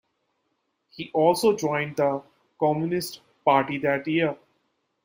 He also joined the Communist Party that year.